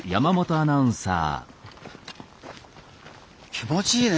気持ちいいね。